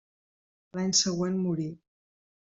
L'any següent morí.